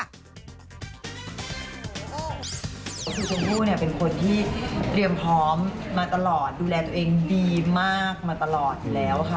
สุศรีค่ะ